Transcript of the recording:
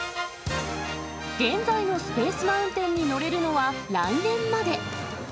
現在のスペース・マウンテンに乗れるのは来年まで。